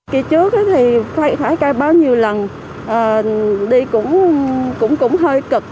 kỳ trước thì phải khai báo nhiều lần đi cũng hơi cực